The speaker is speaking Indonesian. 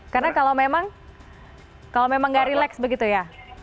karena kalau memang nggak relax begitu ya